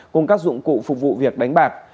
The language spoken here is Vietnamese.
cùng các dụng cụ phục vụ việc đánh bạc